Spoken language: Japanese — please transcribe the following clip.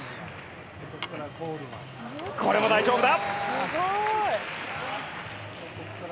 これも大丈夫だ。